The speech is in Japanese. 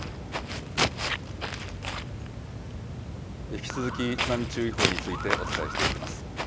引き続き津波注意報についてお伝えしていきます。